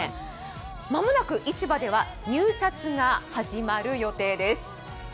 間もなく市場では入札が始まる予定です。